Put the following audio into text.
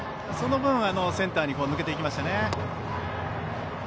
その分、センターに抜けていきましたね。